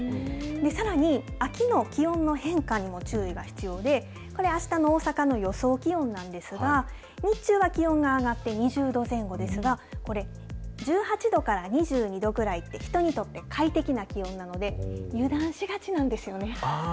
さらに、秋の気温の変化にも注意が必要で、これ、あしたの大阪の予想気温なんですが、日中は気温が上がって２０度前後ですが、これ、１８度から２２度ぐらいって、人にとって快適な気温なので、油断しがちなんですよね。